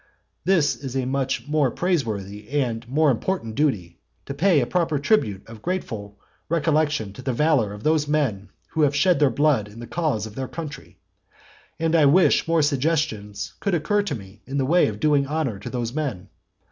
This is a much more praiseworthy and more important duty, to pay a proper tribute of grateful recollection to the valour of those men who have shed their blood in the cause of their country. And I wish more suggestions could occur to me in the way of doing honour to those men.